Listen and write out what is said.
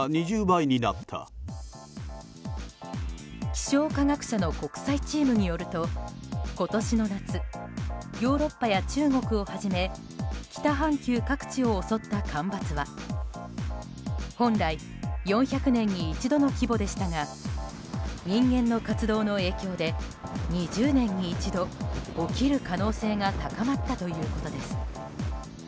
気象科学者の国際チームによると今年の夏ヨーロッパや中国をはじめ北半球各地を襲った干ばつは本来４００年に一度の規模でしたが人間の活動の影響で２０年に一度起きる可能性が高まったということです。